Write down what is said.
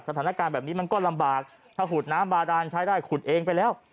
สถานการณ์แบบนี้มันก็ลำบากถ้าขุดน้ำบาดานใช้ได้ขุดเองไปแล้ว